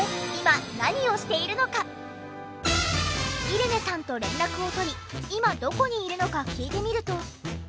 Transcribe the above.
イレネさんと連絡をとり今どこにいるのか聞いてみると。